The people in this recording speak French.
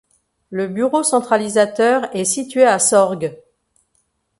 Le bureau centralisateur est situé à Sorgues.